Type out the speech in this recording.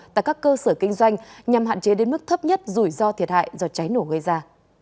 tại các cơ sở kinh doanh nhằm hạn chế đến mức thấp nhất rủi ro thiệt hại do cháy nổ gây ra